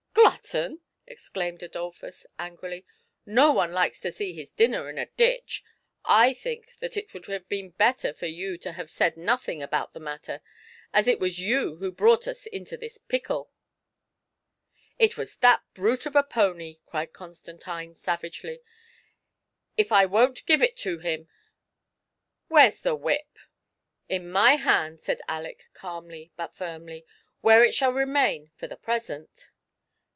"Glutton!" exclaimed Adolphus, angrily; "no one likes to see his dinner in a ditch. I think that it would have been better for you to have said nothing about the matter, as it was you who brought us into this pickle !"" It was that brute of a pony !" cried Constantine, savagely ;" if I won't give it to him ! Where's the whip!" THE PLEASURE EXCURSION. 129 #'* In my hand/' said Aleck, calmly but firmly, " where it shall remain for the present."